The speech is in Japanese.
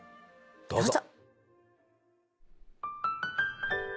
どうぞ。